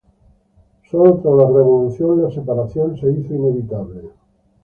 Sólo tras la revolución la separación se hizo inevitable.